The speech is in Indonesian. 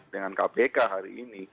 dengan kpk hari ini